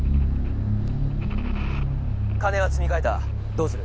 金は詰め替えたどうする？